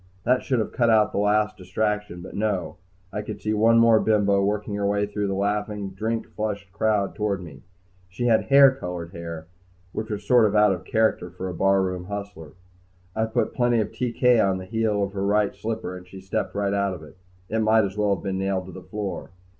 That should have cut out the last distraction. But no, I could see one more bimbo working her way through the laughing, drink flushed crowd toward me. She had hair colored hair, which was sort of out of character for a barroom hustler. I put plenty of TK on the heel of her right slipper, and she stepped right out of it. It might as well have been nailed to the floor.